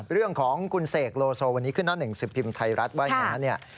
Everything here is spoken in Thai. เรื่องของคุณเสกโลโซวันนี้ขึ้นหน้า๑๑สิบพิมิตรไทยรัฐไว้